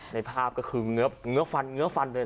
ในภาพก็คือเงื้อฟันเงื้อฟันเลย